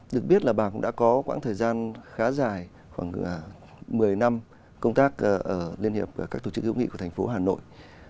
được biết là bà cũng đã có quãng thời gian khá dài khoảng một mươi năm công tác ở liên hiệp các tổ chức hữu nghị của thành phố hà nội